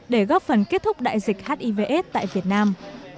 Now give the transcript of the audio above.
để góp phần kết thúc đại dịch hivs tại việt nam